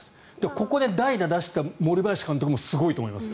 ここで代打出した森林監督もすごいと思います。